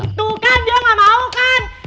tuh kan dia nggak mau kan